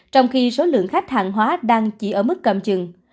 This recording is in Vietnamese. trong khi số lượng khách hàng hóa đang chỉ ở mức cầm chừng